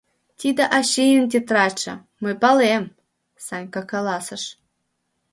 — Тиде ачийын тетрадьше, мый палем, — Санька каласыш.